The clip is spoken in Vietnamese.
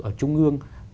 ở trung ương